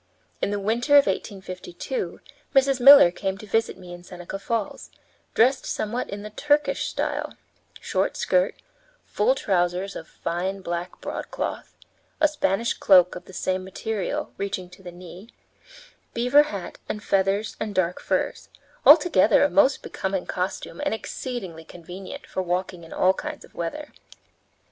In the winter of 1852 Mrs. Miller came to visit me in Seneca Falls, dressed somewhat in the Turkish style short skirt, full trousers of fine black broadcloth; a Spanish cloak, of the same material, reaching to the knee; beaver hat and feathers and dark furs; altogether a most becoming costume and exceedingly convenient for walking in all kinds of weather.